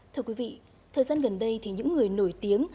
thưa quý vị thời gian gần đây thì những người nổi tiếng